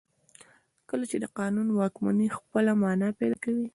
کله چې د قانون واکمني خپله معنا پیدا کوي.